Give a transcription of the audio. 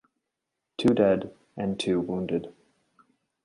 Two dead and two wounded.